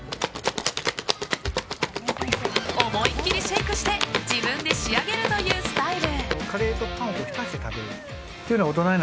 思いっきりシェイクして自分で仕上げるというスタイル。